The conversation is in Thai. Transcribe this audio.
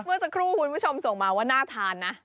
เมื่อสักครู่คุณผู้ชมส่งมาว่าน่าทานนะ